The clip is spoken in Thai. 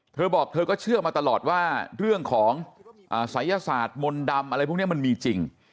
เธอบอกเธอก็เชื่อมาตลอดว่าเรื่องของศัยศาสตร์มนต์ดำอะไรพวกนี้มันมีจริง